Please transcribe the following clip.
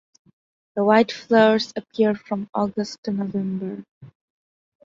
The white flowers appear from August to November.